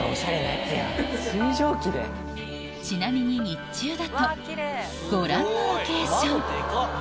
ちなみに日中だとご覧のロケーション